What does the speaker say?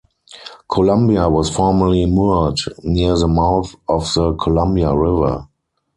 "Columbia" was formerly moored near the mouth of the Columbia River.